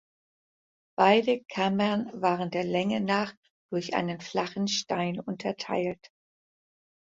Beide Kammern waren der Länge nach durch einen flachen Stein unterteilt.